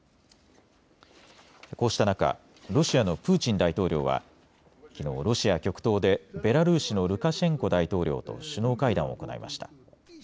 こうした中、ロシアのプーチン大統領はきのうロシア極東でベラルーシのルカシェンコ大統領と首脳会談を行いました。